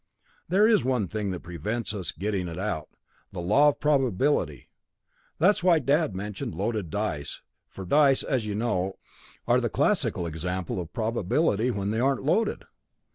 "There is one thing that prevents us getting it out, the law of probability. That's why Dad mentioned loaded dice, for dice, as you know, are the classical example of probability when they aren't loaded.